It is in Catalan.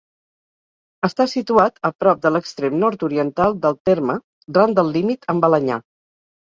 Està situat a prop de l'extrem nord-oriental del terme, ran del límit amb Balenyà.